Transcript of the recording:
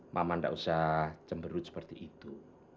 mama tidak usah cemberut seperti itu